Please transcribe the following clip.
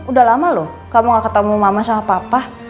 udah lama loh kamu gak ketemu mama sama papa